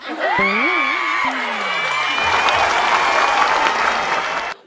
รก